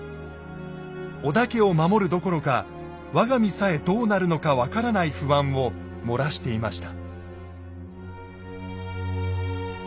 織田家を守るどころか我が身さえどうなるのか分からない不安を漏らしていました。